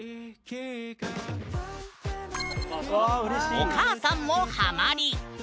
お母さんもハマり。